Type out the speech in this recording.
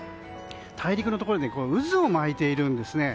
大陸のところで渦を巻いているんです。